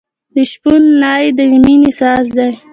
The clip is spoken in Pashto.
د شپون نی د مینې ساز دی.